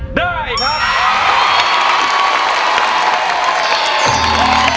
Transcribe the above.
ได้ครับ